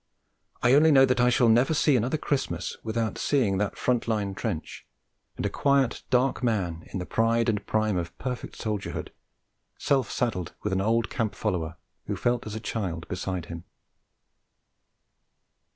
I only know that I shall never see another Christmas without seeing that front line trench, and a quiet, dark man in the pride and prime of perfect soldierhood, self saddled with an old camp follower who felt as a child beside him.